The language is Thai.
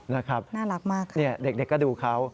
นะครับน่ารักมากเลยเนี่ยเด็กก็ดูเขา